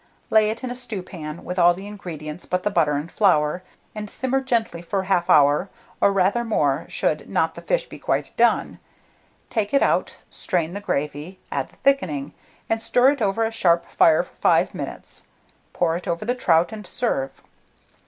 Lay it in a stewpan, with all the ingredients but the butter and flour, and simmer gently for 1/2 hour, or rather more, should not the fish be quite done. Take it out, strain the gravy, add the thickening, and stir it over a sharp fire for 5 minutes; pour it over the trout, and serve.